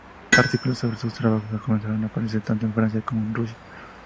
Artículos sobre sus trabajos comenzaron a aparecer tanto en Francia como en Rusia.